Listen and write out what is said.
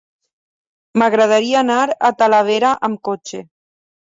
M'agradaria anar a Talavera amb cotxe.